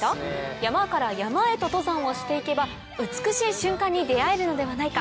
山から山へと登山をして行けば美しい瞬間に出合えるのではないか？